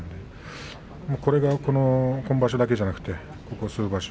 今場所だけじゃなくてここ数場所